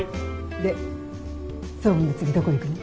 で総務の次どこ行くの？